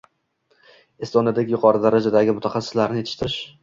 Estoniyadek yuqori darajadagi mutaxassislarni yetishtirish.